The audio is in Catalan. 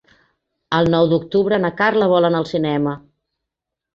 El nou d'octubre na Carla vol anar al cinema.